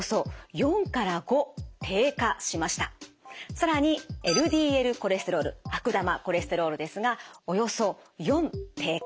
更にＬＤＬコレステロール悪玉コレステロールですがおよそ４低下。